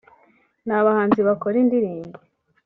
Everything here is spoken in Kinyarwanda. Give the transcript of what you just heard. ni abahanzi bakora indirimbo